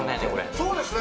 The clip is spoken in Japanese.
そうですね。